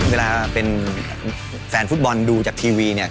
เวลาเป็นแฟนฟุตบอลดูจากทีวีเนี่ย